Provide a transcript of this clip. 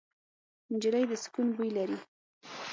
نجلۍ د سکون بوی لري.